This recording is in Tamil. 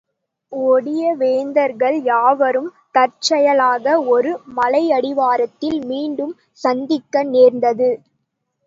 ஒடிய வேந்தர்கள் யாவரும் தற்செயலாக ஒரு மலையடிவாரத்தில் மீண்டும் சந்திக்க நேர்ந்தது.